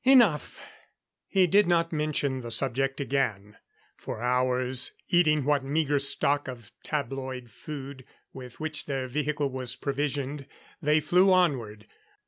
Enough!" He did not mention the subject again. For hours eating what meager stock of tabloid food with which their vehicle was provisioned they flew onward.